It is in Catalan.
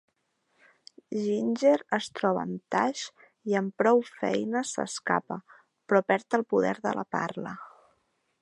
Ginger es troba amb Tash i amb prou feines s'escapa, però perd el poder de la parla.